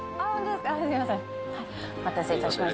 お待たせいたしました。